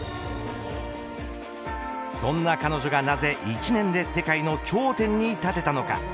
そんな彼女がなぜ一年で世界の頂点に立てたのか。